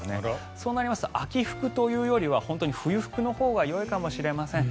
そうなると秋服というより冬服のほうがよいかもしれません。